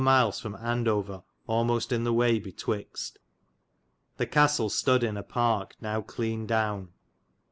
miles from Andover almoste in the waye betwixt. The castell stoode in a parke now clene downe.